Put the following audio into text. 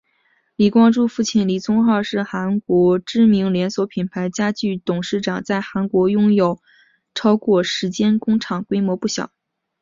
李光洙父亲李宗浩是韩国知名连锁品牌家具董事长在韩国拥有超过十间工厂规模不小。